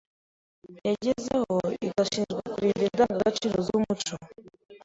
yagezeho; igashingwa kurinda indangagaciro z’umuco